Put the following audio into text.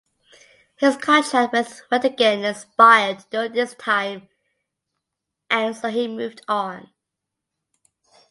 His contract with Wettingen expired during this time and so he moved on.